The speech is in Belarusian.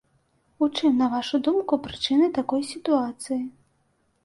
У чым, на вашу думку, прычыны такой сітуацыі?